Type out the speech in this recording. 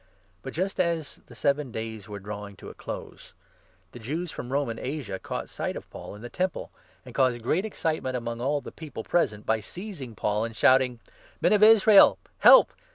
Paul's But, just as the seven days were drawing to a 27 Arrest. close, the Jews from Roman Asia caught sight of Paul in the Temple, and caused great excitement among all the people present, by seizing Paul and shouting : 28 " Men of Israel ! help